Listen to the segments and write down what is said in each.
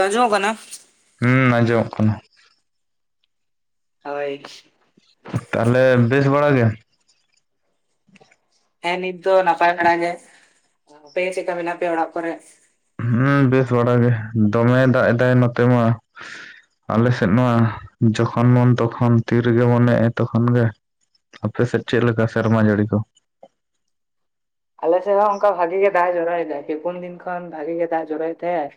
ᱟᱧᱡᱚᱢᱚᱜ ᱠᱟᱱᱟ? ᱦᱩᱸ ᱟᱸᱡᱚᱢᱚᱜ ᱠᱟᱱᱟ᱾ ᱦᱳᱭ᱾ ᱛᱟᱦᱚᱞᱮ ᱵᱮᱥ ᱵᱟᱲᱟ ᱜᱮ? ᱦᱮᱸ ᱱᱤᱛ ᱫᱚ ᱱᱟᱯᱟᱭ ᱵᱟᱲᱟ ᱜᱮ, ᱟᱯᱮ ᱪᱮᱫ ᱞᱮᱠᱟ ᱢᱮᱱᱟᱜ ᱯᱮᱭᱟ ᱚᱲᱟᱜ ᱠᱚᱨᱮ? ᱦᱮᱸ ᱵᱮᱥ ᱵᱟᱲᱟ ᱜᱮ᱾ ᱫᱚᱢᱮ ᱫᱟᱜ ᱮᱫᱟᱭ ᱱᱚᱛᱮ ᱢᱟ᱾ ᱟᱞᱮ ᱥᱮᱫ ᱱᱚᱣᱟ ᱡᱚᱠᱷᱚᱱ ᱵᱚᱱ ᱛᱚᱠᱷᱚᱱ ᱛᱤ ᱨᱮᱜᱮ ᱵᱚᱱ ᱮᱡᱼᱟ ᱛᱚᱠᱷᱚᱱ ᱜᱮᱼᱼ ᱟᱯᱮ ᱥᱮ ᱪᱮᱫ ᱞᱮᱠᱟ ᱥᱮᱨᱢᱟ ᱡᱟᱹᱲᱤ ᱠᱚ? ᱟᱞᱮᱥᱮᱫ ᱦᱚᱸ ᱚᱱᱠᱟ ᱵᱷᱟᱜᱤ ᱜᱮ ᱫᱟᱜ ᱮ ᱡᱚᱨᱚᱭᱮᱫᱟᱭᱮ᱾ ᱯᱮᱯᱩᱱ ᱫᱤᱱ ᱠᱷᱚᱱ ᱵᱷᱟᱜᱤ ᱜᱮ ᱫᱟᱜ ᱡᱚᱨᱚᱭᱮᱫ ᱛᱟᱦᱮ-ᱟᱭ᱾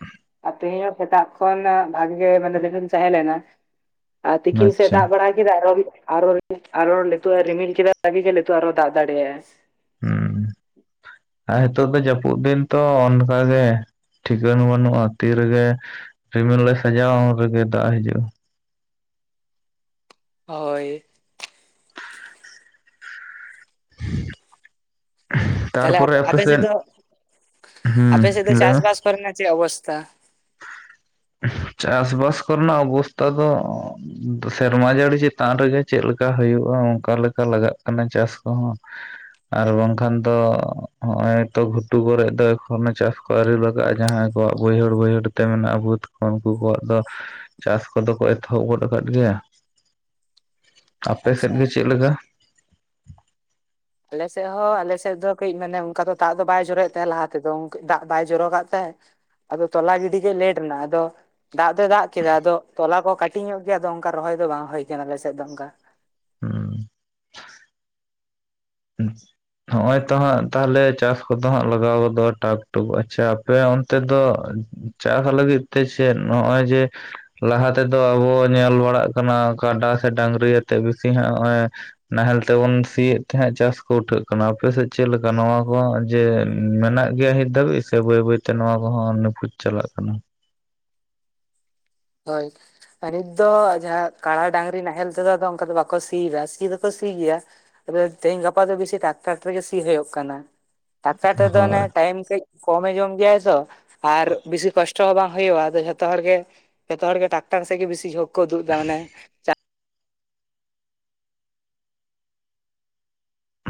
ᱛᱮᱦᱮᱧ ᱥᱮᱛᱟᱜ ᱠᱷᱚᱱ ᱵᱷᱟᱜᱤ ᱜᱮ ᱢᱟᱱᱮᱢ ᱛᱟᱦᱮᱸ ᱞᱮᱱᱟ ᱟᱨ ᱛᱤᱠᱤᱱ ᱥᱮᱫ ᱟᱪᱪᱷᱟ ᱫᱟᱜ ᱵᱟᱲᱟᱭᱼᱼ ᱠᱮᱫ ᱟᱨ ᱟᱨ ᱟᱨᱚ ᱞᱮ ᱨᱤᱢᱤᱞ ᱠᱮᱫᱟ ᱵᱷᱟᱜᱤ ᱟᱨᱚ ᱫᱟᱜ ᱫᱟᱲᱮᱭᱟᱜᱼᱟ᱾ ᱦᱩᱸ᱾ ᱦ [unintelligible] ᱟᱨ ᱱᱤᱛᱚᱜ ᱫᱚ ᱡᱟᱹᱯᱩᱫ ᱫᱤᱱ ᱛᱚ, ᱚᱱᱠᱟᱜᱮ ᱴᱷᱤᱠᱟᱹᱱ ᱵᱟᱹᱱᱩᱜᱼᱟ ᱛᱤ ᱨᱮᱜᱮᱼᱼ ᱨᱤᱢᱤᱞ ᱞᱮ ᱥᱟᱡᱟᱣᱟ ᱩᱱ ᱨᱮᱜᱮ ᱫᱟᱜ ᱦᱤᱡᱩᱜᱼᱟ᱾ ᱦᱳᱭ᱾ [unintelligible] ᱛᱟᱦᱞᱮ ᱟᱯᱮ ᱥᱮᱫ ᱫᱚ ᱟᱯᱮ ᱦᱩᱸ ᱥᱮᱫ ᱫᱚ ᱞᱟᱹᱭ ᱪᱟᱥ ᱢᱮ ᱵᱟᱥ ᱠᱚᱨᱮ ᱨᱮᱱᱟᱜ ᱪᱮᱫ ᱚᱵᱚᱥᱛᱷᱟ? [inaudible] ᱪᱟᱥ ᱵᱟᱥ ᱠᱚᱨᱮᱱᱟᱜ ᱚᱵᱚᱥᱛᱟ ᱫᱚᱼᱼ ᱥᱮᱨᱢᱟ ᱡᱟᱹᱲᱤ ᱪᱮᱛᱟᱱ ᱨᱮᱜᱮ ᱪᱮᱫᱮ ᱞᱮᱠᱟ ᱦᱩᱭᱩᱜᱼᱟ, ᱚᱱᱠᱟ ᱞᱮᱠᱟ ᱞᱟᱜᱟᱜ ᱠᱟᱱᱟ ᱪᱟᱥ ᱠᱚᱦᱚᱸ᱾ ᱟᱨ ᱵᱟᱝᱠᱷᱟᱱ ᱫᱚ ᱦᱚᱜᱚᱭ ᱛᱚ ᱜᱷᱩᱴᱩ ᱠᱚᱨᱮ ᱫᱚ ᱮᱠᱷᱚᱱ ᱪᱟᱥᱼᱼ ᱠᱚ ᱟᱹᱣᱨᱤ ᱞᱟᱜᱼᱟ ᱡᱟᱦᱟᱸᱭ ᱠᱚᱣᱟᱜ ᱵᱟᱹᱭᱦᱟᱹᱲ ᱵᱟᱹᱭᱦᱟᱹᱲᱼᱼ ᱡᱮ ᱢᱮᱱᱟᱜᱼᱟ ᱵᱟᱹᱫ ᱠᱚ ᱩᱱᱠᱩ ᱠᱚᱣᱟᱜ ᱫᱚ ᱪᱟᱥ ᱠᱚᱫᱚ ᱠᱚ ᱮᱛᱚᱦᱚᱵ ᱜᱚᱫ ᱟᱠᱟᱫ ᱜᱮᱭᱟ᱾ [unintelligible] ᱟᱯᱮ ᱥᱮᱫ ᱜᱮ ᱪᱮᱫ ᱞᱮᱠᱟ? ᱟᱞᱮᱥᱮᱫ ᱦᱚᱸ ᱟᱞᱮᱥᱮᱫ ᱫᱚ ᱠᱟᱹᱡ ᱢᱟᱱᱮ ᱚᱱᱠᱟ ᱫᱚ ᱫᱟᱜ ᱫᱚ ᱵᱟᱭ ᱡᱚᱨᱚᱭᱮᱫ ᱛᱟᱦᱮᱸ ᱞᱟᱦᱟ ᱛᱮᱫᱚ, ᱫᱟᱜ ᱵᱟᱭ ᱡᱚᱨᱚᱟᱜ ᱛᱟᱦᱮᱸᱼᱼ ᱟᱫᱚ ᱛᱚᱞᱟ ᱜᱤᱰᱤ ᱜᱮ ᱞᱮᱴ ᱮᱱᱟ ᱟᱫᱚᱼᱼ ᱫᱟᱜ ᱫᱚᱭ ᱫᱟᱜ ᱠᱮᱫᱟ ᱟᱫᱚ ᱛᱚᱞᱟ ᱠᱚ ᱠᱟᱹᱴᱤᱡ ᱧᱚᱜ ᱜᱮᱭᱟ ᱟᱫᱚ ᱚᱱᱠᱟ ᱨᱚᱦᱚᱭ ᱫᱚ ᱵᱟᱝ ᱦᱩᱭ ᱟᱠᱟᱱᱟ ᱟᱞᱮᱥᱮᱫ ᱫᱚ ᱚᱱᱠᱟ᱾ ᱦᱩᱸ᱾ ᱦᱮᱸ᱾ [inaudible] ᱱᱚᱜᱼᱚᱭ ᱛᱚ ᱦᱟᱸᱜ ᱛᱟᱦᱚᱞᱮ ᱪᱟᱥ ᱠᱚᱫᱚ ᱦᱟᱸᱜ ᱞᱟᱜᱟᱣᱫᱚ ᱴᱟᱠ ᱴᱩᱠ ᱟᱪᱪᱷᱟ ᱟᱯᱮ ᱚᱱᱛᱮ ᱫᱚᱼᱼ ᱪᱟᱥ ᱞᱟᱹᱜᱤᱫ ᱛᱮ ᱪᱮᱫ ᱱᱚᱜᱼᱚᱭ ᱡᱮ, ᱼᱼ ᱞᱟᱦᱟ ᱛᱮᱫᱚ ᱟᱵᱚ ᱧᱮᱞ ᱵᱟᱲᱟᱜ ᱠᱟᱱᱟ, ᱠᱟᱰᱟ ᱥᱮ ᱰᱟᱝᱨᱤᱭᱟᱛᱮᱜ ᱵᱮᱥᱤ ᱦᱟᱸᱜ ᱱᱚᱜᱼᱚᱭᱼᱼ ᱱᱟᱦᱮᱞ ᱛᱮᱵᱚᱱ ᱥᱤᱭᱮᱫᱼᱼ ᱛᱮᱦᱟᱜ ᱪᱟᱥ ᱠᱚ ᱩᱴᱷᱟᱹᱜ ᱠᱟᱱᱟ ᱟᱯᱮᱥᱮᱫ ᱪᱮᱫ ᱞᱮᱠᱟ ᱱᱚᱣᱟ ᱠᱚᱦᱟᱜ ᱡᱮ ᱢᱮᱱᱟᱜ ᱜᱮᱭᱟ ᱦᱤᱛ ᱫᱷᱟᱹᱵᱤᱡ ᱥᱮ ᱵᱟᱹᱭ ᱵᱟᱹᱭᱛᱮᱼᱼ ᱱᱚᱣᱟ ᱠᱚᱦᱚᱸ ᱱᱤᱯᱷᱩᱡ ᱪᱟᱞᱟᱜ ᱠᱟᱱᱟ᱾ ᱦᱳᱭ᱾ ᱱᱤᱛ ᱫᱚ ᱡᱟᱦᱟᱸ ᱠᱟᱲᱟᱟ ᱰᱟᱝᱨᱤ ᱱᱟᱦᱮᱞ ᱛᱮᱫᱚ ᱚᱱᱠᱟ ᱫᱚ ᱵᱟᱠᱚ ᱥᱤᱫᱟ ᱥᱤ ᱫᱚᱠᱚ ᱥᱤ ᱜᱮᱭᱟ᱾ ᱟᱫᱚ ᱛᱮᱦᱤᱧ ᱜᱟᱯᱟ ᱫᱚ ᱵᱤᱥᱤ ᱴᱟᱠᱴᱟᱨ ᱛᱮᱜᱮ ᱥᱤ ᱦᱳᱭᱳᱜ ᱠᱟᱱᱟ ᱴᱟᱠᱴᱟᱨ ᱛᱮᱫᱚ ᱚᱱᱮ ᱦᱳᱭ ᱴᱟᱭᱤᱢ ᱠᱟᱹᱡᱼᱼ ᱠᱚᱢᱮ ᱡᱚᱢ ᱜᱮᱭᱟᱭ ᱛᱚ ᱟᱨ ᱵᱮᱥᱤ ᱠᱚᱥᱴᱚ ᱦᱚᱸ ᱵᱟᱝ ᱦᱳᱭᱳᱜᱼᱟ ᱟᱫᱚ ᱡᱷᱚᱛᱚ ᱦᱚᱲ ᱜᱮᱼᱼ ᱡᱚᱛᱚ ᱦᱚᱲ ᱜᱮ ᱴᱟᱠᱴᱟᱨ ᱥᱮᱫ ᱜᱮ ᱵᱤᱥᱤ ᱡᱷᱩᱜᱽ ᱠᱚ ᱩᱫᱩᱜ ᱮᱫᱟ ᱢᱟᱱᱮ,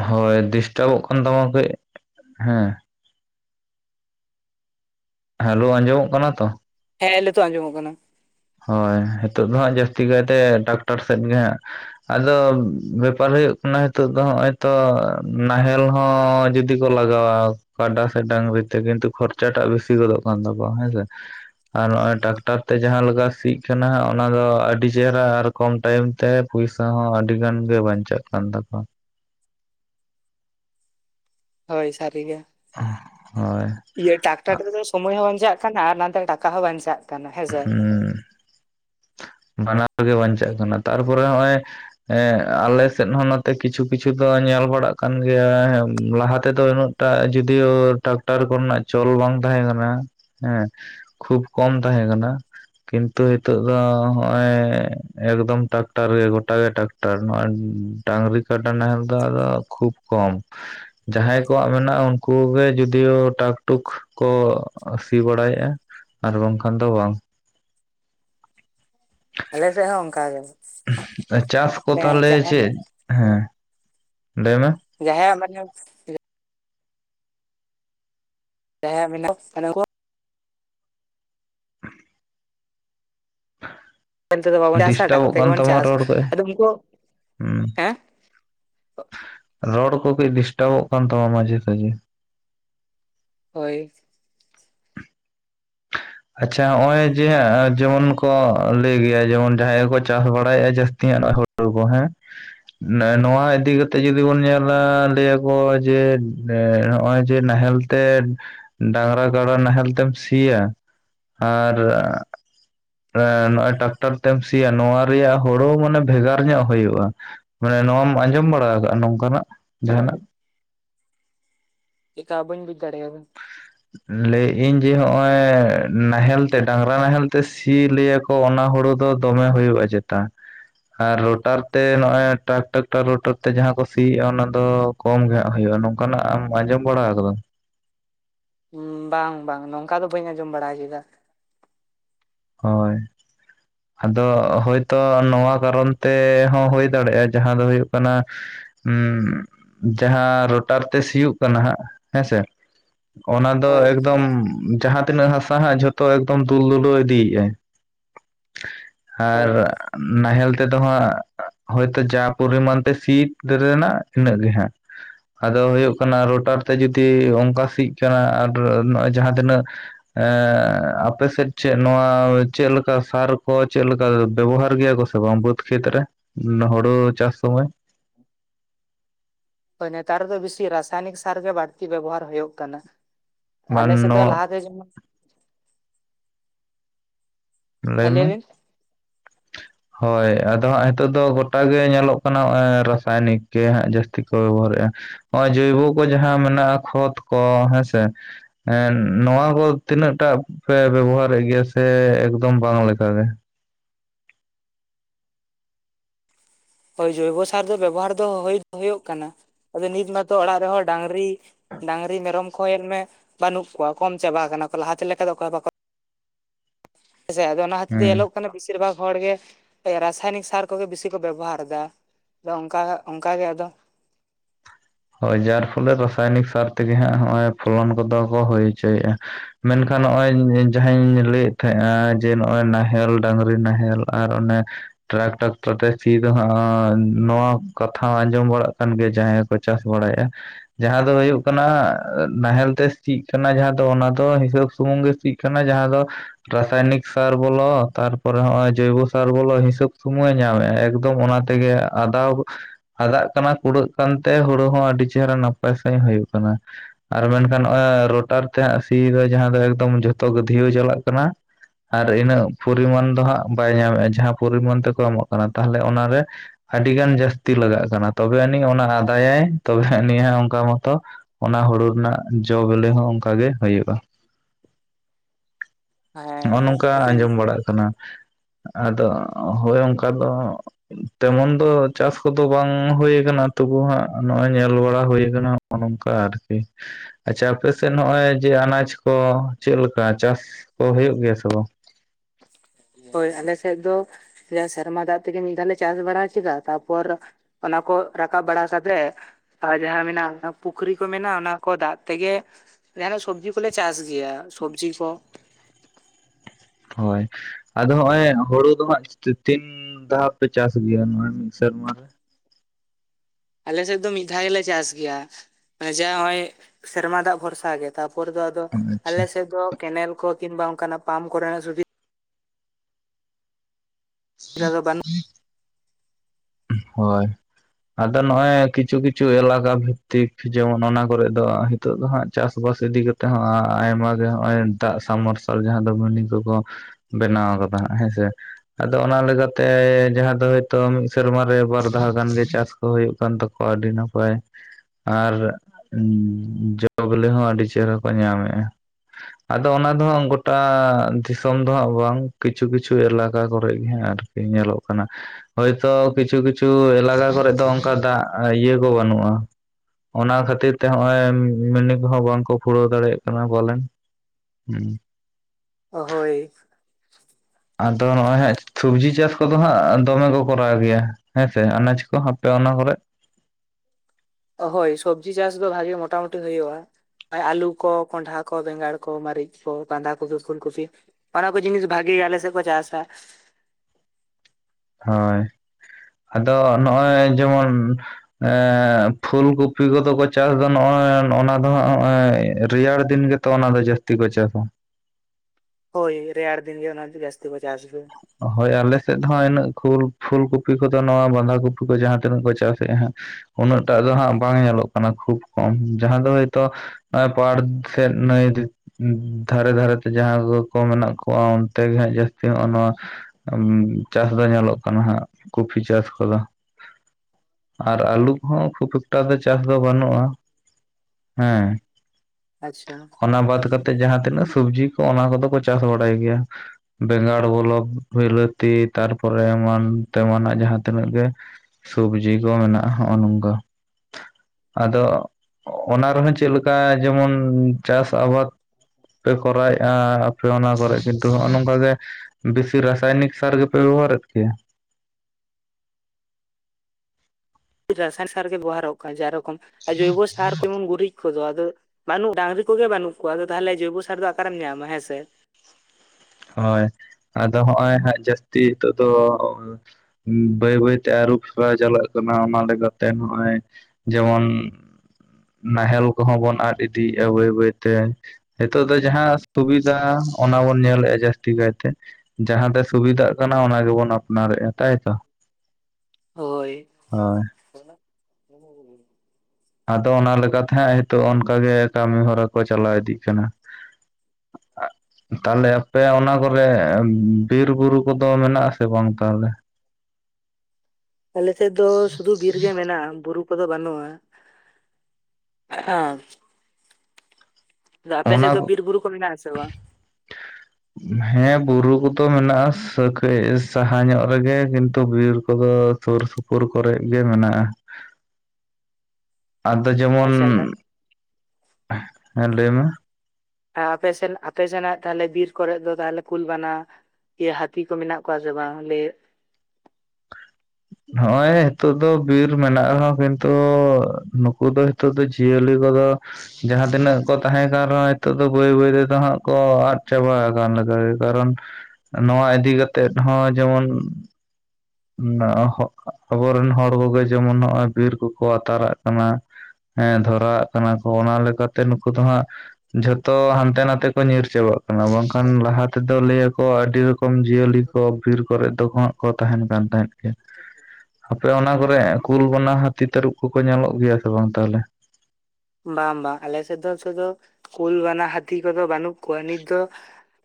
ᱦᱳᱭ ᱰᱤᱥᱴᱟᱵᱚᱜ ᱠᱟᱱ ᱛᱟᱢᱟ ᱠᱟᱹᱡ ᱦᱮᱸ᱾ ᱦᱮᱞᱳ ᱟᱸᱡᱚᱢᱚᱜ ᱠᱟᱱᱟ ᱛᱚ? ᱦᱮᱸ ᱱᱮᱛᱳᱜ ᱟᱸᱡᱚᱢᱚᱜ ᱠᱟᱱᱟ᱾ ᱦᱳᱭ ᱦᱮᱛᱳᱜ ᱫᱚ ᱦᱟᱸᱜ ᱡᱟᱹᱥᱛᱤ ᱠᱟᱭᱛᱮ ᱴᱟᱠᱴᱟᱨ ᱥᱮᱫ ᱜᱮ ᱦᱟᱸᱜᱼᱼ ᱟᱫᱚ ᱵᱮᱯᱟᱨ ᱦᱳᱭᱳᱜ ᱠᱟᱱᱟ ᱱᱤᱛᱳᱜ ᱫᱚ ᱦᱚᱜᱼᱚᱭ ᱛᱚ ᱱᱟᱦᱮᱞ ᱦᱚᱸ ᱡᱩᱫᱤᱼᱼ ᱠᱚ ᱞᱟᱜᱟᱣᱟ ᱠᱟᱰᱟ ᱥᱮ ᱰᱟᱝᱨᱤ ᱛᱮ ᱠᱤᱱᱛᱩ ᱠᱷᱚᱨᱪᱟᱴᱟᱜ ᱵᱤᱥᱤ ᱜᱚᱫᱚᱜ ᱠᱟᱱ ᱛᱟᱠᱚᱣᱟ ᱦᱮᱸ ᱥᱮ, ᱟᱨ ᱱᱚᱜᱼᱚᱭ ᱴᱟᱠᱴᱟᱨ ᱛᱮ ᱡᱟᱦᱟᱸ ᱞᱮᱠᱟᱼᱼ ᱥᱤᱜ ᱠᱟᱱᱟ ᱦᱟᱜ ᱚᱱᱟ ᱫᱚ ᱟᱹᱰᱤ ᱪᱮᱦᱨᱟ ᱟᱨ ᱠᱚᱢ ᱴᱟᱭᱤᱢ ᱛᱮ ᱯᱩᱭᱥᱟ ᱦᱚᱸ ᱟᱹᱰᱤ ᱜᱟᱱ ᱜᱮ ᱵᱟᱧᱪᱟᱜ ᱠᱟᱱᱟ᱾ ᱠᱟᱱ ᱛᱟᱠᱚᱣᱟ᱾ ᱦᱳᱭ ᱥᱟᱹᱨᱤᱜᱮ᱾ ᱦᱳᱭ᱾ ᱤᱭᱟᱹ ᱴᱟᱠᱴᱟᱨ ᱛᱮᱫᱚ ᱥᱚᱢᱳᱭ ᱦᱚᱸ ᱵᱟᱧᱪᱟᱜ ᱠᱟᱱᱟ ᱟᱨ ᱱᱟᱛᱮ ᱴᱟᱠᱟ ᱦᱚᱸ ᱵᱟᱧᱪᱟᱜ ᱠᱟᱱᱟ ᱦᱮᱸᱥᱮ᱾ ᱦᱩᱸ ᱵᱟᱱᱟᱨ ᱜᱮ ᱵᱟᱧᱪᱟᱜ ᱠᱟᱱᱟ ᱛᱟᱨᱯᱚᱨᱮ ᱱᱚᱜᱼᱚᱭᱼᱼ ᱦᱮᱸ ᱟᱞᱮ ᱥᱮᱫ ᱦᱚᱸ ᱱᱚᱛᱮ ᱠᱤᱪᱷᱩ ᱠᱤᱪᱷᱩ ᱫᱚ ᱧᱮᱞ ᱵᱟᱲᱟᱜ ᱠᱟᱱ ᱜᱮᱭᱟ ᱞᱟᱦᱟ ᱛᱮᱫᱚ ᱩᱱᱟᱹᱜᱼᱼ ᱴᱟᱜ ᱡᱫᱤᱭᱳ ᱴᱨᱟᱠᱴᱟᱨ ᱠᱚᱨᱮᱱᱟᱜ ᱪᱚᱞ ᱵᱟᱝ ᱛᱟᱦᱮᱸ ᱠᱟᱱᱟ ᱦᱮᱸ, ᱠᱷᱩᱵ ᱠᱚᱢ ᱛᱟᱦᱮᱸ ᱠᱟᱱᱟ ᱠᱤᱱᱛᱩ ᱦᱮᱛᱳᱜ ᱫᱚ ᱦᱚᱜᱼᱚᱭᱼᱼ ᱮᱠᱫᱚᱢ ᱴᱟᱠᱴᱟᱨ ᱜᱮ ᱜᱚᱴᱟ ᱜᱮ ᱴᱟᱠᱴᱟᱨ ᱱᱚᱜᱚᱭ ᱰᱟᱝᱨᱤ ᱠᱟᱰᱟ ᱱᱟᱦᱮᱞ ᱫᱚ ᱟᱫᱚ ᱠᱷᱩᱵᱼᱼ ᱠᱚᱢ᱾ ᱡᱟᱦᱟᱸᱭ ᱠᱚᱣᱟᱜ ᱢᱮᱱᱟᱜᱼᱟ ᱩᱱᱠᱩᱩᱜ ᱜᱮ ᱡᱚᱫᱤᱭᱳ ᱴᱟᱠ ᱴᱩᱠ ᱠᱚ ᱥᱤ ᱵᱟᱲᱟᱭᱮᱫᱼᱟ᱾ ᱟᱨ ᱵᱟᱝᱠᱷᱟᱱ ᱫᱚ ᱵᱟᱝ᱾ ᱟᱞᱮᱥᱮᱫ ᱦᱚᱸ ᱚᱱᱠᱟ ᱜᱮ᱾ ᱪᱟᱥ ᱠᱚ ᱛᱟᱦᱚᱞᱮ ᱪᱮᱫ ᱦᱮᱸ ᱞᱟᱹᱭ ᱢᱮᱼᱼ ᱡᱟᱦᱟᱸᱭᱟᱜ ᱢᱟᱱᱮ [inaudible] ᱡᱟᱦᱟᱸᱭᱟᱜ ᱢᱮᱱᱟᱜ [inaudible] ᱛᱚ ᱵᱟᱵᱚ ᱪᱟᱥᱟ ᱴᱟᱠᱴᱟᱨ ᱰᱤᱥᱴᱟᱵᱚᱜ ᱠᱚᱛᱮ ᱠᱟᱱ ᱜᱮᱵᱚᱱ ᱛᱟᱢᱟ ᱪᱟᱥ ᱨᱚᱲ ᱠᱚᱭ ᱟᱫᱚ ᱩᱱᱠᱩ ᱦᱩᱸ ᱦᱮᱸ, ᱨᱚᱲ ᱠᱚ ᱠᱟᱹᱡ ᱰᱤᱥᱴᱟᱵᱚᱜ ᱠᱟᱱ ᱛᱟᱢᱟ ᱢᱟᱡᱮ ᱥᱟᱡᱷᱮ᱾ ᱦᱳᱭ᱾ ᱟᱪᱪᱷᱟ ᱦᱚᱜ-ᱚᱭ ᱡᱮ ᱡᱮᱢᱚᱱ ᱠᱚ ᱞᱟᱹᱭ ᱜᱮᱭᱟ ᱡᱮᱢᱚᱱ ᱡᱟᱦᱟᱸᱭ ᱠᱚᱠᱚ ᱪᱟᱥ ᱵᱟᱲᱟᱭᱮᱜ-ᱟ ᱡᱟᱹᱥᱛᱤᱧᱚᱜ ᱱᱚᱜ-ᱚᱭ ᱠᱚ ᱴᱟᱹᱣ ᱠᱚᱣᱟ ᱦᱮᱸ᱾ ᱱᱮᱭ ᱱᱚᱣᱟ ᱤᱫᱤ ᱠᱟᱛᱮ ᱡᱩᱫᱤ ᱵᱚᱱ ᱧᱮᱞᱟ ᱞᱟᱹᱭᱟᱠᱚ ᱡᱮ ᱱᱚᱜ-ᱚᱭ ᱡᱮ ᱱᱟᱦᱮᱞ ᱛᱮ ᱰᱟᱝᱨᱟ ᱠᱟᱰᱟ ᱱᱟᱦᱮᱞ ᱛᱮᱢ ᱥᱤᱭᱟ ᱟᱨ ᱱᱚᱜ-ᱚᱭ ᱴᱟᱠᱴᱟᱨ ᱛᱮᱢ ᱥᱤᱭᱟ ᱱᱚᱣᱟ ᱨᱮᱭᱟᱜ ᱦᱳᱲᱳ ᱢᱟᱱᱮ ᱵᱷᱮᱜᱟᱨ ᱧᱚᱜ ᱦᱳᱭᱳᱜ-ᱟ᱾ ᱢᱟᱱᱮ ᱱᱚᱣᱟᱢ ᱟᱸᱡᱚᱢ ᱵᱟᱲᱟ ᱟᱠᱟᱜ-ᱟ ᱱᱚᱝᱠᱟᱱᱟᱜ ᱡᱟᱦᱟᱱᱟᱜ᱾ ᱮᱠᱟ ᱵᱟ. ᱧ ᱵᱩᱡ ᱫᱟᱲᱮᱭᱟᱫᱟ᱾ ᱞᱟᱹᱭᱮᱜ ᱤᱧ ᱡᱮ ᱱᱚᱜ-ᱚᱭ ᱱᱟᱦᱮᱞ ᱛᱮ ᱰᱟᱝᱨᱟ ᱱᱟᱦᱮᱞ ᱛᱮ ᱥᱤ ᱞᱟᱹᱭᱟ ᱚ ᱚᱱᱟ ᱦᱳᱲᱳ ᱫᱚ ᱫᱚᱢᱮ ᱦᱳᱭᱳᱜ-ᱟ ᱪᱮᱛᱟ᱾ ᱟᱨ ᱨᱳᱴᱟᱨ ᱛᱮ ᱱᱚᱜ-ᱚᱭ ᱴᱨᱟᱠᱴᱟᱨ ᱨᱳᱴᱟᱨ ᱛᱮ ᱡᱟᱦᱟᱸ ᱠᱚ ᱥᱤᱭᱮᱜ-ᱟ ᱚᱱᱟ ᱫᱚ ᱠᱚᱢ ᱜᱮ ᱦᱟᱜ ᱦᱳᱭᱳᱜ-ᱟ ᱱᱚᱝᱠᱟᱱᱟᱜ ᱮᱢ ᱟᱸᱡᱚᱢ ᱵᱟᱲᱟ ᱟᱠᱟᱫᱟᱢ? ᱵᱟᱝ ᱵᱟᱝ ᱱᱚᱝᱠᱟ ᱫᱚ ᱵᱟᱹᱧ ᱟᱸᱡᱚᱢ ᱵᱟᱲᱟ ᱠᱮᱫᱟ᱾ ᱦᱳᱭ᱾ ᱟᱫᱚ ᱦᱳᱭᱛᱚ ᱱᱚᱣᱟ ᱠᱟᱨᱚᱱ ᱛᱮᱦᱚᱸ ᱦᱳᱭ ᱫᱟᱲᱮᱜ-ᱟ ᱡᱟᱦᱟᱸ ᱫᱚ ᱦᱳᱭᱳᱜ ᱠᱟᱱᱟ᱾ ᱦᱩᱸ ᱡᱟᱦᱟᱸ ᱨᱳᱴᱟᱨ ᱛᱮ ᱥᱤᱭᱩᱜ ᱠᱟᱱᱟ ᱦᱟᱸᱜ ᱦᱮᱸᱥᱮ᱾ ᱚᱱᱟ ᱫᱚ ᱦᱳᱭ ᱮᱠᱫᱚᱢ ᱡᱟᱦᱟᱸ ᱛᱤᱱᱟᱹᱜ ᱦᱟᱥᱟ ᱦᱟᱸᱜ ᱡᱷᱚᱛᱚ ᱮᱠᱫᱚᱢ ᱫᱩᱞ ᱫᱩᱞᱟᱹᱣ ᱤᱫᱤ ᱭᱟᱭ ᱟᱨ ᱦᱳᱭ ᱱᱟᱦᱮᱞ ᱛᱮᱫᱚ ᱦᱟᱸᱜ ᱦᱚᱭᱛᱳ ᱡᱟ ᱯᱚᱨᱤᱢᱟᱱ ᱛᱮ ᱥᱤᱜ ᱨᱮᱱᱟᱜ ᱩᱱᱟᱹᱜ ᱜᱮ ᱦᱟᱸᱜ᱾ ᱟᱫᱚ ᱦᱳᱭᱳᱜ ᱠᱟᱱᱟ ᱨᱳᱴᱟᱨ ᱛᱮ ᱡᱩᱫᱤ ᱦᱚ ᱚᱝᱠᱟ ᱥᱤᱜ ᱠᱟᱱᱟ ᱟᱨ ᱱᱚᱜ-ᱚᱭ ᱡᱟᱦᱟᱸ ᱛᱤᱱᱟᱹᱜ ᱮᱻ ᱟᱯᱮᱥᱮᱱ ᱪᱮᱱ ᱱᱚᱣᱟ ᱪᱮᱱ ᱞᱮᱠᱟ ᱥᱟᱨ ᱠᱚ ᱪᱮᱱ ᱞᱮᱠᱟ ᱵᱮᱵᱚᱦᱟᱨ ᱜᱮᱭᱟ ᱠᱚ ᱥᱮ ᱵᱟᱝ ᱵᱟᱹᱫᱽ ᱠᱷᱮᱛ ᱨᱮ? ᱱᱚ ᱦᱳᱲᱳ ᱪᱟᱥ ᱥᱚᱢᱚᱭ᱾ [inaudible] ᱦᱳᱭ ᱱᱮᱛᱟᱨ ᱫᱚ ᱵᱤᱥᱤ ᱨᱟᱥᱟᱭᱱᱤᱠ ᱥᱟᱨ ᱜᱮ ᱵᱟᱲᱛᱤ ᱵᱮᱵᱚᱦᱟᱨ ᱦᱳᱭᱳᱜ ᱠᱟᱱᱟ᱾ ᱵᱟᱝ ᱟᱞᱮᱥᱮᱫ ᱫᱚ ᱱᱚᱣᱟ ᱞᱟᱦᱟᱛᱮ ᱡᱮᱢᱚᱱ ᱞᱟᱹᱭ ᱢᱮ᱾ [inaudible] ᱦᱳᱭ, ᱟᱫᱚ ᱦᱟᱸᱜ ᱱᱤᱛᱚᱜ ᱫᱚ ᱜᱚᱴᱟ ᱜᱮ ᱧᱮᱞᱚᱜ ᱠᱟᱱᱟ ᱦᱚᱜ-ᱚᱭ ᱨᱟᱥᱟᱭᱱᱤᱠ ᱜᱮ ᱦᱟᱸᱜ ᱡᱟᱹᱥ ᱛᱤ ᱠᱚ ᱵᱮᱵᱚᱦᱟᱨᱮᱜ-ᱟ ᱦᱚᱜ-ᱚᱭ ᱡᱳᱭᱵᱳ ᱠᱚ ᱡᱟᱦᱟᱸ ᱢᱮᱱᱟᱜ-ᱟ ᱠᱷᱚᱛ ᱠᱚ ᱦᱮᱸᱥᱮ᱾ ᱮᱸ ᱱᱚᱣᱟ ᱦᱚᱸ ᱛᱤᱱᱟᱹᱜ ᱴᱟᱜ ᱯᱮ ᱵᱮᱵᱚᱦᱟᱨᱮᱜ ᱜᱮᱭᱟ ᱥᱮ ᱮᱠ ᱵᱟᱝ ᱞᱮᱠᱟᱜᱮ᱾ ᱦᱳᱭ ᱡᱳᱚᱭᱵᱚᱥᱟᱨ ᱫᱚ ᱵᱮᱵᱚᱦᱟᱨ ᱫᱚ ᱦᱳᱭ ᱦᱳᱭᱳᱜ ᱠᱟᱱᱟ, ᱟᱫᱚ ᱱᱤᱛ ᱢᱟᱛᱚ ᱚᱲᱟᱜ ᱨᱮᱦᱚᱸ ᱰᱟᱝᱨᱤ ᱰᱟᱝᱨᱤ ᱢᱮᱨᱚᱢ ᱠᱚ ᱧᱮᱞ ᱢᱮ ᱵᱟᱱᱩᱜ ᱠᱚᱣᱟ ᱠᱚᱢ ᱪᱟᱵᱟ ᱠᱟᱱᱟ ᱠᱚ, ᱞᱟᱦᱟᱛᱮ ᱞᱮᱠᱟ ᱫᱚ ᱚᱠᱚᱭ ᱦᱚᱸ ᱵᱟᱠᱚ ᱦᱮᱥᱮ ᱟᱫᱚ ᱚᱱᱟ ᱦᱚᱛᱮᱡ ᱛᱮ ᱦᱮᱸ ᱧᱮᱞᱚᱜ ᱠᱟᱱᱟ ᱵᱮᱥᱤᱨ ᱵᱷᱟᱜ ᱦᱚᱲᱜᱮ ᱨᱟᱥᱟᱭᱱᱤᱠ ᱥᱟᱨ ᱠᱚᱜᱮ ᱵᱤᱥᱤ ᱠᱚ ᱵᱮᱵᱚᱦᱟᱨ ᱫᱟ᱾ ᱟᱫᱚ ᱚᱝᱠᱟ, ᱚᱝᱠᱟ ᱜᱮ ᱟᱫᱚ᱾ ᱦᱳᱭ ᱡᱟᱨ ᱯᱷᱚᱞᱮ ᱨᱟᱥᱟᱭᱱᱤᱠ ᱥᱟᱨ ᱛᱮᱜᱮ ᱦᱟᱸᱜ ᱱᱚᱜ-ᱚᱭ ᱯᱷᱚᱞᱚᱱ ᱠᱚᱫᱚ ᱠᱚ ᱦᱳᱭ ᱦᱚᱪᱚᱭᱮᱜ-ᱟ᱾ ᱢᱮᱱᱠᱷᱟᱱ ᱱᱚᱜ-ᱚᱭ ᱡᱟᱦᱟᱸᱧ ᱞᱟᱹᱭᱮᱫ ᱛᱟᱦᱮᱜ-ᱟ ᱡᱮ ᱱᱚᱜ-ᱚᱭ ᱱᱟᱦᱮᱞ ᱰᱟᱝᱨᱤ ᱱᱟᱦᱮᱞ ᱟᱨ ᱚᱱᱮ ᱴᱨᱟᱠᱴᱚᱨ ᱠᱚ ᱛᱮ ᱥᱤ ᱫᱚ ᱦᱟᱸᱜ ᱱᱚᱣᱟ ᱠᱟᱛᱷᱟ ᱟᱸᱡᱚᱢ ᱵᱟᱲᱟᱜ ᱠᱟᱱ ᱜᱮᱭᱟ, ᱡᱟᱦᱟᱸᱭ ᱠᱚ ᱪᱟᱥ ᱵᱟᱲᱟᱭᱮᱜ-ᱟ᱾ ᱡᱟᱦᱟᱸ ᱫᱚ ᱦᱩᱭᱩᱜ ᱠᱟᱱᱟ ᱱᱟᱦᱮᱞ ᱛᱮ ᱥᱤᱜ ᱠᱟᱱᱟ ᱡᱟᱦᱟᱸ ᱫᱚ ᱚᱱᱟ ᱫᱚ ᱦᱤᱥᱟᱹᱵ ᱥᱩᱢᱩᱝ ᱜᱮ ᱥᱤᱜ ᱠᱟᱱᱟ, ᱡᱟᱦᱟᱸ ᱫᱚ ᱨᱟᱥᱟᱭᱱᱤᱠ ᱥᱟᱨ ᱵᱚᱞᱚ ᱛᱟᱨᱯᱚᱨᱮ ᱦᱚᱜ-ᱚᱭ ᱡᱚᱭᱵᱚ ᱥᱟᱨ ᱵᱚᱞᱚ ᱦᱤᱥᱟᱹᱵ ᱥᱩᱢᱩᱝ ᱮ ᱧᱟᱢᱮᱜ-ᱟᱭ ᱮᱠᱫᱚᱢ ᱚᱱᱟ ᱛᱮᱜᱮ ᱟᱫᱟᱣ ᱟᱫᱟᱜ ᱠᱟᱱᱟ ᱠᱩᱲᱟᱹᱜ ᱠᱟᱱᱛᱮ ᱛᱮ ᱦᱳᱲᱩ ᱦᱚᱸ ᱟᱹᱰᱤ ᱪᱮᱦᱨᱟ ᱱᱟᱯᱟᱭ ᱥᱟᱹᱦᱤᱡ ᱦᱩᱭᱩᱜ ᱠᱟᱱᱟ᱾ ᱟᱨ ᱢᱮᱱᱠᱷᱟᱱ ᱱᱚᱜᱼᱚᱭ ᱨᱳᱴᱟᱨ ᱛᱮ ᱦᱟᱸᱜ ᱥᱤ ᱫᱚ ᱡᱟᱦᱟᱸ ᱫᱚ ᱮᱠᱫᱚᱢ ᱡᱷᱚᱛᱚ ᱜᱟᱹᱫᱷᱭᱟᱹᱣ ᱪᱟᱞᱟᱜ ᱠᱟᱱᱟ᱾ ᱟᱨ ᱤᱱᱟᱹᱜ ᱯᱚᱨᱤᱢᱟᱱ ᱫᱚ ᱦᱟᱸᱜ ᱵᱟᱭ ᱧᱟᱢᱮᱫᱼᱟ ᱡᱟᱦᱟᱸ ᱯᱚᱨᱤᱢᱟᱱ ᱛᱮᱠᱚ ᱮᱢᱚᱜ ᱠᱟᱱᱟ ᱛᱟᱦᱚᱞᱮ ᱚᱱᱟᱨᱮ ᱟᱹᱰᱤᱜᱟᱱ ᱡᱟᱹᱥᱛᱤ ᱞᱟᱜᱟᱜ ᱠᱟᱱᱟ ᱛᱚᱵᱮ ᱟᱹᱱᱤᱡ ᱚᱱᱟ ᱟ ᱫᱟᱭᱟᱭ ᱛᱚᱵᱮ ᱟᱱᱤᱡ ᱦᱟᱸᱜ ᱚᱱᱠᱟ ᱢᱚᱛᱚ ᱚᱱᱟ ᱦᱩᱲᱩ ᱨᱮᱱᱟᱜ ᱡᱚ ᱵᱮᱞᱮ ᱦᱚᱸ ᱚᱱᱠᱟᱜᱮ ᱦᱩᱭᱩᱜᱼᱟ᱾ ᱦᱚᱸᱜᱼᱚ ᱦᱮᱸ ᱱᱚᱝᱠᱟ ᱟᱸᱡᱚᱢ ᱟᱹᱰᱤ ᱵᱟᱲᱟᱜ ᱠᱟᱱᱟ᱾ ᱟᱫᱚ ᱦᱳᱭ ᱚᱱᱠᱟ ᱫᱚ ᱛᱮᱢᱚᱱ ᱫᱚ ᱪᱟᱥ ᱠᱚᱫᱚ ᱵᱟᱝ ᱦᱳᱭ ᱠᱟᱱᱟ ᱛᱚᱵᱩ ᱦᱟᱸᱜ ᱱᱚᱜᱼᱚᱭ ᱧᱮᱞ ᱵᱟᱲᱟ ᱦᱩᱭ ᱟᱠᱟᱱᱟ ᱦᱚᱸᱜᱼᱚ ᱱᱚᱝᱠᱟ ᱟᱨᱠᱤ᱾ ᱟᱪᱪᱷᱟ ᱟᱯᱮ ᱥᱮᱫ ᱱᱚᱜᱼᱚᱭ ᱡᱮ ᱟᱱᱟᱡ ᱠᱚ ᱪᱮᱫ ᱞᱮᱠᱟ ᱪᱟᱥ ᱠᱚ ᱦᱩᱭᱩᱜ ᱜᱮᱭᱟ ᱥᱮ ᱵᱟᱝ? ᱦᱳᱭ ᱟᱞᱮ ᱥᱮᱫ ᱫᱚ ᱡᱟ ᱥᱮᱨᱢᱟ ᱫᱟᱜ ᱛᱮᱜᱮ ᱢᱤᱫ ᱫᱷᱟᱣ ᱞᱮ ᱪᱟᱥ ᱵᱟᱲᱟ ᱠᱮᱫᱟ ᱛᱟᱯᱚᱨ ᱚᱱᱟ ᱠᱚ ᱨᱟᱠᱟᱵ ᱵᱟᱲᱟ ᱠᱟᱛᱮ ᱟᱨ ᱡᱟᱦᱟᱸ ᱢᱮᱱᱟᱜᱼᱟ ᱯᱩᱠᱷᱨᱤ ᱠᱚ ᱢᱮᱱᱟᱜᱼᱟ ᱚᱱᱟ ᱠᱚ ᱫᱟᱜ ᱛᱮᱜᱮ ᱡᱟᱦᱟᱱᱟᱜ ᱥᱚᱵᱽᱡᱤ ᱠᱚᱞᱮ ᱪᱟᱥ ᱜᱮᱭᱟ ᱥᱚᱵᱽᱡᱤ ᱠᱚ ᱦᱳᱭ ᱟᱫᱚ ᱦᱚᱸᱜᱼᱚᱭ ᱦᱩᱲᱩ ᱫᱚ ᱦᱟᱸᱜ ᱛᱤᱱ ᱫᱷᱟᱣ ᱯᱮ ᱪᱟᱥ ᱜᱮᱭᱟ ᱱᱚᱣᱟ ᱢᱤᱫ ᱥᱮᱨᱢᱟ ᱨᱮ? ᱟᱞᱮ ᱥᱮᱫ ᱫᱚ ᱢᱤᱫ ᱫᱷᱟᱣ ᱜᱮᱞᱮ ᱪᱟᱥ ᱜᱮᱭᱟ ᱢᱟᱱᱮ ᱡᱮ ᱦᱚᱸᱜᱼᱚᱭ ᱥᱮᱨᱢᱟ ᱫᱟᱜ ᱵᱷᱚᱨᱥᱟᱜ ᱜᱮ ᱛᱟᱯᱚᱨ ᱫᱚ ᱟ ᱫᱚ ᱟᱪᱪᱷᱟ ᱟᱞᱮ ᱥᱮᱫ ᱫᱚ ᱠᱮᱱᱮᱞ ᱠᱚ ᱠᱤᱱᱵᱟ ᱚᱱᱠᱟᱱᱟᱜ ᱯᱟᱢᱯ ᱠᱚᱨᱮᱱᱟᱜ ᱥᱩ [inaudible] ᱦᱳᱭ ᱟᱫᱚ ᱱᱚᱜᱼᱚᱭ ᱠᱤᱪᱷᱩ ᱠᱤᱪᱷᱩ ᱮᱞᱟᱠᱟ ᱵᱷᱤᱛᱛᱤᱠ ᱡᱮᱢᱚᱱ ᱚᱱᱟ ᱠᱚᱨᱮᱜ ᱫᱚ ᱦᱤᱛᱚᱜ ᱫᱚ ᱦᱟᱸᱜ ᱪᱟᱥᱵᱟᱥ ᱤᱫᱤ ᱠᱟᱛᱮᱫ ᱦᱚᱸ ᱟᱭᱢᱟ ᱜᱮ ᱦᱚᱸᱜᱼᱚᱭ ᱫᱟᱜ ᱥᱟᱢ ᱢᱟᱨᱥᱟᱞ ᱡᱟᱦᱟᱸ ᱫᱚ ᱢᱤᱱᱤ ᱠᱚᱠᱚ ᱵᱮᱱᱟᱣ ᱠᱟᱫᱟ ᱦᱟᱸᱜ ᱦᱮᱸ ᱥᱮ ᱟᱫᱚ ᱚᱱᱟ ᱞᱮᱠᱟᱛᱮ ᱡᱟᱦᱟᱸ ᱫᱚ ᱦᱳᱭᱛᱳ ᱢᱤᱫ ᱥᱮᱨᱢᱟ ᱨᱮ ᱵᱟᱨ ᱫᱷᱟᱣ ᱜᱟᱱ ᱜᱮ ᱪᱟᱥ ᱠᱚ ᱦᱩᱭᱩᱜ ᱠᱟᱱ ᱛᱟᱠᱚᱣᱟ ᱟᱹᱰᱤ ᱱᱟᱯᱟᱭ ᱟᱨ, ᱡᱚ ᱵᱮᱞᱮ ᱦᱚᱸ ᱟᱹᱰᱤ ᱪᱮᱦᱨᱟ ᱠᱚ ᱧᱟᱢᱮᱫᱼᱟ᱾ ᱟᱫᱚ ᱚᱱᱟ ᱫᱚ ᱦᱟᱸᱜ ᱜᱚᱴᱟ ᱫᱤᱥᱚᱢ ᱫᱚ ᱦᱟᱸᱜ ᱵᱟᱝ ᱠᱤᱪᱷᱩ ᱠᱤᱪᱷᱩ ᱮᱞᱟᱠᱟ ᱠᱚᱨᱮᱜ ᱜᱮ ᱦᱟᱸᱜ ᱟᱨ ᱠᱤ ᱧᱮᱞᱚᱜ ᱠᱟᱱᱟ ᱦᱳᱭᱛᱚ ᱠᱤᱪᱷᱩ ᱠᱤᱪᱷᱩ ᱮᱞᱟᱠᱟ ᱠᱚᱨᱮᱜ ᱫᱚ ᱚᱱᱠᱟ ᱫᱟᱜ ᱤᱭᱟᱹ ᱠᱚ ᱵᱟᱹᱱᱩᱜᱼᱟ᱾ ᱚᱱᱟ ᱠᱷᱟᱹᱛᱤᱨ ᱛᱮ ᱦᱚᱸᱜᱼᱚᱭ ᱢᱤᱱᱤ ᱠᱚᱦᱚᱸ ᱵᱟᱝᱠᱚ ᱯᱷᱩᱲᱟᱹᱣ ᱫᱟᱲᱮᱭᱟᱜ ᱠᱟᱱᱟ ᱯᱟᱞᱮᱱ᱾ ᱦᱩᱸ᱾ ᱚ ᱦᱳᱭ᱾ ᱟᱫᱚ ᱱᱚᱜᱼᱚᱭ ᱦᱟᱸᱜ ᱥᱚᱵᱡᱤ ᱪᱟᱥ ᱠᱚᱫᱚ ᱦᱟᱸᱜ ᱫᱚᱢᱮ ᱠᱚ ᱠᱚᱨᱟᱣ ᱜᱮᱭᱟ, ᱦᱮᱸᱥᱮ ᱟᱱᱟᱡ ᱠᱚ, ᱟᱯᱮ ᱚᱱᱟ ᱠᱚᱨᱮᱜ? ᱦᱳᱭ ᱥᱚᱵᱽᱡᱤ ᱪᱟᱥ ᱫᱚ ᱵᱷᱟᱜᱮ ᱢᱚᱴᱟᱢᱩᱴᱤ ᱦᱩᱭᱩᱜᱼᱟ᱾ ᱟᱭ ᱟᱹᱞᱩ ᱠᱚ, ᱠᱚᱸᱰᱷᱟ ᱠᱚ, ᱵᱮᱸᱜᱟᱲ ᱠᱚ, ᱢᱟᱹᱨᱤᱪ ᱠᱚ, ᱵᱟᱸᱫᱷᱟ ᱠᱚᱯᱤ, ᱯᱷᱩᱞ ᱠᱚᱯᱤ ᱚᱱᱟ ᱠᱚ ᱡᱤᱱᱤᱥ ᱵᱷᱟᱜᱮ ᱜᱮ ᱚᱞᱮ ᱥᱮᱜ ᱠᱚ ᱪᱟᱥᱼᱟ᱾ ᱦᱳᱭ ᱟᱫᱚ ᱱᱚᱜᱼᱚᱭ ᱡᱮᱢᱚᱱ ᱮᱻ ᱯᱷᱩᱞ ᱠᱩᱯᱤ ᱠᱚᱫᱚ ᱠᱚ ᱪᱟᱥ ᱫᱚ ᱱᱚᱜᱼᱚᱭ ᱚᱱᱟ ᱫᱚ ᱦᱟᱸᱜ ᱱᱚᱜᱼᱚᱭ ᱨᱮᱭᱟᱲ ᱫᱤᱱ ᱜᱮ ᱛᱚ ᱚᱱᱟ ᱫᱚ ᱡᱟᱹᱥᱛᱤ ᱠᱚ ᱪᱟᱥᱟ? ᱦᱳᱭ ᱨᱮᱭᱟᱲ ᱫᱤᱱ ᱜᱮ ᱚᱱᱟ ᱫᱚ ᱡᱟᱹᱥᱛᱤ ᱠᱚ ᱪᱟᱥ ᱜᱮᱭᱟ᱾ ᱦᱳᱭ ᱟᱞᱮ ᱥᱮᱫ ᱫᱚ ᱦᱟᱸᱜ ᱤᱱᱟᱹᱜ ᱠᱷᱩᱞ ᱯᱷᱩᱞ ᱠᱩᱯᱤ ᱠᱚᱫᱚ ᱱᱚᱣᱟ ᱵᱟᱸᱫᱷᱟ ᱠᱩᱯᱤ ᱠᱚ ᱡᱟᱦᱟᱸ ᱛᱤᱱᱟᱹᱜ ᱠᱚ ᱪᱟᱥᱮᱫᱼᱟ ᱦᱟᱸᱜ, ᱩᱱᱟᱹᱜ ᱴᱟᱜ ᱫᱚ ᱦᱟᱸᱜ ᱵᱟᱝ ᱧᱮᱞᱚᱜ ᱠᱟᱱᱟ ᱠᱷᱩᱵ ᱠᱚᱢ ᱡᱟᱦᱟᱸ ᱫᱚ ᱦᱳᱭᱛᱚ ᱮᱸ ᱯᱟᱲ ᱥᱮᱫ ᱱᱟᱹᱭ ᱫᱷᱟᱨᱮ ᱫᱷᱟᱨᱮᱛᱮ ᱡᱟᱦᱟᱸᱭ ᱠᱚᱠᱚ ᱢᱮᱱᱟᱜ ᱠᱚᱣᱟ ᱚᱱᱛᱮ ᱜᱮ ᱦᱟᱸᱜ ᱡᱟᱹᱥᱛᱤ ᱦᱚᱸᱜᱼᱚ ᱱᱚᱣᱟ ᱩᱸᱢ ᱪᱟᱥ ᱫᱚ ᱧᱮᱞᱚᱜ ᱠᱟᱱᱟ ᱦᱟᱸᱜ ᱠᱩᱯᱷᱤ ᱪᱟᱥ ᱠᱚᱫᱚ᱾ ᱟᱨ ᱟᱹᱞᱩ ᱠᱚᱦᱚᱸ ᱠᱷᱩᱵ ᱮᱠᱴᱟ ᱫᱚ ᱪᱟᱥ ᱫᱚ ᱵᱟᱹᱱᱩᱜᱼᱟ, ᱦᱮᱸ᱾ ᱟᱪᱪᱷᱟ᱾ ᱚᱱᱟ ᱵᱟᱫ ᱠᱟᱛᱮᱜ ᱡᱟᱦᱟᱸ ᱛᱤᱱᱟᱹᱜ ᱥᱚᱵᱡᱤ ᱠᱚ ᱚᱱᱟ ᱠᱚᱫᱚ ᱠᱚ ᱪᱟᱥ ᱵᱟᱲᱟᱭ ᱜᱮᱭᱟ᱾ ᱵᱮᱸᱜᱟᱲ ᱵᱚᱞᱚ ᱵᱤᱞᱟᱹᱛᱤ ᱛᱟᱨᱯᱚᱨᱮ ᱮᱢᱟᱱ ᱛᱮᱢᱟᱱᱟᱜ ᱡᱟᱦᱟᱸ ᱛᱤᱱᱟᱹᱜ ᱜᱮ᱾ ᱥᱚᱵᱡᱤ ᱠᱚ ᱢᱮᱱᱟᱜ-ᱟ ᱦᱚᱜ-ᱚ ᱱᱚᱝᱠᱟ᱾ ᱟᱫᱚ ᱚᱱᱟ ᱨᱮᱦᱚᱸ ᱪᱮᱫᱞᱮᱠᱟ ᱡᱮᱢᱚᱱ ᱪᱟᱥ ᱟᱵᱟᱫᱽ ᱯᱮ ᱠᱚᱨᱟᱣᱮᱫ-ᱟ ᱟᱯᱮ ᱚᱱᱟ ᱠᱚᱨᱮ ᱜᱮ ᱾ ᱛᱚ ᱦᱚᱸᱜ ᱱᱚᱝᱠᱟ ᱜᱮ ᱵᱮᱥᱤ ᱨᱟᱥᱟᱭᱱᱤᱠ ᱥᱟᱨ ᱜᱮᱯᱮ ᱵᱮᱵᱚᱦᱟᱨᱮᱫ ᱜᱮᱭᱟ? ᱨᱟᱥᱟᱭᱚᱱᱤᱠ ᱥᱟᱨ ᱜᱮ ᱵᱮᱵᱚᱦᱟᱨᱚᱜ ᱠᱟᱱᱟ ᱡᱟ ᱨᱚᱠᱚᱢ ᱟᱨ ᱡᱚᱭᱵᱚ ᱥᱟᱨ ᱡᱮᱢᱚᱱ ᱜᱩᱨᱤᱡ ᱠᱚᱫᱚ ᱟᱫᱚ ᱵᱟᱹᱱᱩᱜ ᱰᱟᱝᱨᱤ ᱠᱚᱜᱮ ᱵᱟᱹᱱᱩᱜ ᱠᱚᱣᱟ ᱟᱫᱚ ᱛᱟᱦᱚᱞᱮ ᱡᱳᱭᱵᱚ ᱥᱟᱨ ᱫᱚ ᱚᱠᱟᱨᱮᱢ ᱧᱟᱢᱟ ᱦᱮᱸᱥᱮ᱾ ᱦᱳᱭ ᱟᱫᱚ ᱦᱚᱜᱼᱚᱭ ᱦᱟᱸᱜ ᱡᱟᱹᱥᱛᱤ ᱱᱤᱛᱚᱜ ᱫᱚ ᱵᱟᱹᱭ ᱵᱟᱹᱭᱛᱮ ᱟᱹᱨᱩ ᱯᱷᱮᱨᱟᱣ ᱪᱟᱞᱟᱜ ᱠᱟᱱᱟ ᱚᱱᱟ ᱞᱮᱠᱟᱛᱮ ᱱᱚᱜ-ᱚᱭ ᱡᱮᱢᱚᱱ ᱱᱟᱦᱮᱞ ᱠᱚᱦᱚᱸ ᱵᱚᱱ ᱟᱫ ᱤᱫᱤᱭᱮᱫ-ᱟ ᱵᱟᱹᱭ ᱵᱟᱹᱭᱛᱮ᱾ ᱱᱤᱛᱚᱜ ᱫᱚ ᱡᱟᱦᱟᱸ ᱥᱩᱵᱤᱫᱷᱟ ᱚᱱᱟ ᱵᱚᱱ ᱧᱮᱞ ᱮ-ᱟ ᱾ ᱡᱟᱹᱥᱛᱤ ᱠᱟᱭᱛᱮ ᱡᱟᱦᱟᱸᱛᱮ ᱥᱩᱵᱤᱫᱷᱟᱜ ᱠᱟᱱᱟ ᱚᱱᱟ ᱜᱮᱵᱚᱱ ᱟᱯᱱᱟᱨᱮᱟ ᱛᱟᱭᱛᱚ᱾ ᱦᱳᱭ ᱾ ᱦᱳᱭ᱾ [unintelligible] ᱟᱫᱚ ᱚᱱᱟ ᱞᱮᱠᱟᱛᱮ ᱦᱟᱸᱜ ᱱᱤᱛᱚᱜ ᱚᱱᱠᱟ ᱜᱮ ᱠᱟᱹᱢᱤ ᱦᱚᱨᱟ ᱠᱚ ᱪᱟᱞᱟᱣ ᱤᱫᱤᱜ ᱠᱟᱱᱟ ᱾ [unintelligible] ᱛᱟᱦᱚᱞᱮ ᱟᱯᱮᱭᱟᱜ ᱚᱱᱟ ᱠᱚᱨᱮ ᱵᱤᱨ ᱵᱩᱨᱩ ᱠᱚᱫᱚ ᱢᱮᱱᱟᱜ ᱟᱥᱮ ᱵᱟᱝ ᱛᱟᱦᱚᱞᱮ? ᱟᱞᱮ ᱥᱮᱫ ᱫᱚ ᱥᱩᱫᱩ ᱵᱤᱨ ᱜᱮ ᱢᱮᱱᱟᱜ-ᱟ ᱵᱩᱨᱩ ᱠᱚᱫᱚ ᱵᱟᱹᱱᱩᱜ-ᱟ᱾ [unintelligible] ᱟᱫᱚ ᱟᱯᱮ ᱚᱱᱟ ᱥᱮᱫ ᱫᱚ ᱵᱤᱨ ᱵᱩᱨᱩ ᱠᱚ ᱢᱮᱱᱟᱜ ᱟᱥᱮ ᱵᱟᱝ? ᱦᱮᱸ ᱵᱩᱨᱩ ᱠᱚᱫᱚ ᱢᱮᱱᱟᱜ-ᱟ ᱥᱟᱹᱠᱟᱹᱭ ᱥᱟᱦᱟ ᱧᱚᱜ ᱨᱮᱜᱮ ᱠᱤᱱᱛᱩ ᱵᱤᱨ ᱠᱚᱫᱚ ᱥᱩᱨ ᱥᱩᱯᱩᱨ ᱠᱚᱨᱮ ᱜᱮ ᱢᱮᱱᱟᱜ-ᱟ ᱾ [unintelligible] ᱟᱫᱚ ᱡᱮᱢᱚᱱ ᱟᱪᱪᱷᱟ ᱦᱮᱸ ᱞᱟᱹᱭ ᱢᱮ ᱟᱯᱮ ᱥᱮᱱ ᱟᱯᱮ ᱥᱮᱱᱟᱜ ᱛᱟᱦᱚᱞᱮ ᱵᱤᱨ ᱠᱚᱨᱮ ᱫᱚ ᱛᱟᱦᱚᱞᱮ ᱠᱩᱞ ᱵᱟᱱᱟ ᱤᱭᱟᱹ ᱦᱟᱹᱛᱦᱤ ᱠᱚ ᱢᱮᱱᱟᱜ ᱠᱚᱣᱟ ᱥᱮ ᱵᱟᱝ [inaudible] ᱱᱚᱜ-ᱚᱭ ᱱᱤᱛᱚᱜ ᱫᱚ ᱵᱤᱨ ᱢᱮᱱᱟᱜ ᱨᱮᱦᱚᱸ ᱠᱤᱱᱛᱩ ᱱᱩᱠᱩ ᱫᱚ ᱱᱤᱛᱚᱜ ᱫᱚ ᱡᱷᱤᱭᱟᱹᱞᱤ ᱠᱚᱫᱚ ᱡᱟᱦᱟᱸ ᱛᱤᱱᱟᱹᱜ ᱠᱚ ᱛᱟᱦᱮᱸ ᱠᱟᱱ ᱨᱮᱦᱚᱸ ᱱᱤᱛᱚᱜ ᱫᱚ ᱵᱟᱹᱭ ᱵᱟᱹᱭ ᱛᱮᱫᱚ ᱦᱟᱸᱜ ᱠᱚ ᱟᱫ ᱪᱟᱵᱟ ᱟᱠᱟᱱ ᱞᱮᱠᱟᱜᱮ ᱠᱟᱨᱚᱱ ᱱᱚᱣᱟ ᱤᱫᱤ ᱠᱟᱛᱮᱜ ᱦᱚᱸ ᱡᱮᱢᱚᱱ ᱟᱵᱚᱨᱮᱱ ᱦᱚᱲ ᱠᱚᱜᱮ ᱡᱮᱢᱚᱱ ᱱᱚᱜ-ᱚᱭ ᱵᱤᱨ ᱠᱚᱠᱚ ᱟᱛᱟᱨᱟᱜ ᱠᱟᱱᱟ᱾ ᱦᱮᱸ ᱫᱷᱚᱨᱟᱣᱟᱜ ᱠᱟᱱᱟ ᱠᱚ ᱚᱱᱟ ᱞᱮᱠᱟᱛᱮ ᱱᱩᱠᱩ ᱫᱚ ᱦᱟᱸᱜ ᱡᱷᱚᱛᱚ ᱦᱟᱱᱛᱮ ᱱᱟᱛᱮ ᱠᱚ ᱧᱤᱨ ᱪᱟᱵᱟᱜ ᱠᱟᱱᱟ ᱵᱟᱝᱠᱷᱟᱱ ᱞᱟᱦᱟ ᱛᱮᱫᱚ ᱞᱟᱹᱭ ᱟᱠᱚ ᱟᱹᱰᱤ ᱨᱚᱠᱚᱢ ᱠᱚᱢ ᱡᱤᱭᱟᱹᱞᱤ ᱠᱚ ᱵᱤᱨ ᱠᱚᱨᱮ ᱫᱚ ᱦᱟᱸᱜ ᱠᱚ ᱛᱟᱦᱮᱱᱟ᱾ ᱛᱟᱦᱮᱸᱫ ᱜᱮ, ᱟᱯᱮ ᱚᱱᱟ ᱠᱚᱨᱮ ᱠᱩᱞ ᱚᱱᱟ ᱦᱟᱹᱛᱤ ᱛᱟᱹᱨᱩᱵ ᱠᱚᱠᱚ ᱧᱮᱞᱚᱜ ᱜᱮᱭᱟ ᱥᱮ ᱵᱟᱝ ᱛᱟᱦᱚᱞᱮ? ᱵᱟᱝ ᱵᱟᱝ ᱟᱞᱮ ᱥᱮᱫ ᱫᱚ ᱥᱩᱫᱷᱩ ᱠᱩᱞ ᱵᱟᱱᱟ ᱦᱟᱹᱛᱤ ᱠᱚᱫᱚ ᱵᱟᱹᱱᱩᱜ ᱠᱚᱣᱟ ᱱᱤᱛ ᱫᱚ᱾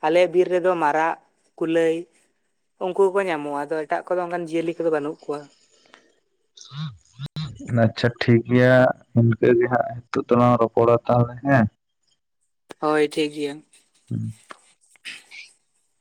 ᱟᱞᱮᱭᱟᱜ ᱵᱤᱨ ᱨᱮᱫᱚ ᱢᱟᱨᱟᱜ ᱠᱩᱞᱟᱹᱭ ᱩᱱᱠᱩ ᱠᱚ ᱧᱟᱢᱚᱜ-ᱟ ᱟᱫᱚ ᱮᱴᱟᱜ ᱠᱚᱫᱚ ᱚᱱᱠᱟᱱ ᱡᱤᱭᱟᱹᱞᱤ ᱠᱚᱫᱚ ᱵᱟᱹᱱᱩᱜ ᱠᱚᱣᱟ᱾ [unintelligible] ᱟᱪᱪᱷᱟ ᱴᱷᱤᱠ ᱜᱮᱭᱟ ᱤᱱᱠᱟᱹ ᱜᱮ ᱦᱟᱸᱜ ᱱᱤᱛᱚᱜ ᱫᱚᱞᱟᱝ ᱨᱚᱯᱚᱲᱟ ᱛᱟᱦᱞᱮ ᱦᱮᱸ᱾ ᱦᱳᱭ ᱴᱷᱤᱠ ᱜᱮᱭᱟ ᱾ [unintelligible]